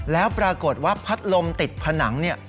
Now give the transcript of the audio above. แล้วปรากฏว่าพัดลมติดผนัง